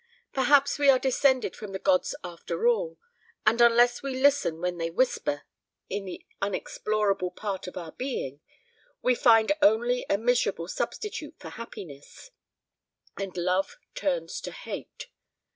Perhaps we are descended from the gods after all, and unless we listen when they whisper in this unexplorable part of our being, we find only a miserable substitute for happiness, and love turns to hate.